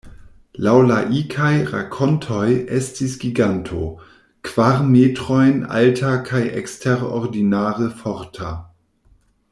Laŭ laikaj rakontoj estis giganto: kvar metrojn alta kaj eksterordinare forta.